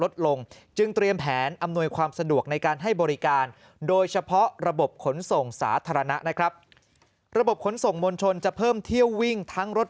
ส่งสาธารณะนะครับระบบขนส่งมลชนจะเพิ่มเที่ยววิ่งทั้งรถ